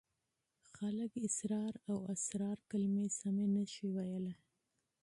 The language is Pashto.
خلک اسرار او اصرار کلمې سمې نشي ویلای.